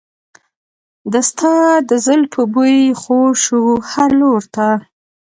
د ستا د زلفو بوی خور شو هر لور ته.